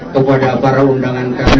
kepada para undangan kami